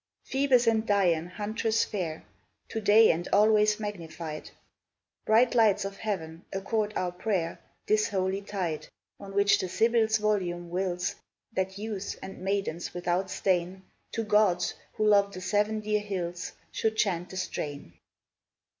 Phoebus and Dian, huntress fair, To day and always magnified, Bright lights of heaven, accord our prayer This holy tide, On which the Sibyl's volume wills That youths and maidens without stain To gods, who love the seven dear hills, Should chant the strain!